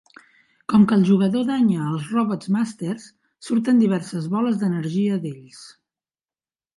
Com que el jugador danya els Robots Masters, surten diverses boles d'energia d'ells.